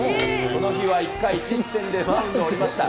この日は１回１失点でマウンドをおりました。